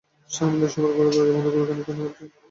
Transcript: শর্মিলা শোবার ঘরে দরজা বন্ধ করে খানিকক্ষণ কাঁদলে।